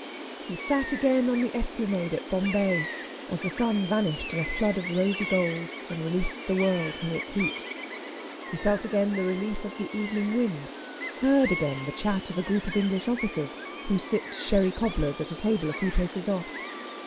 He sat again on the Esplanade at Bombay, as the sun vanished in a flood of rosy gold, and released the world from his heat. He felt again the relief of the evening wind; heard again the chat of a group of English officers who sipped sherry cobblers at a table a few paces off.